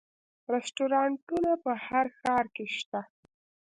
رستورانتونه په هر ښار کې شته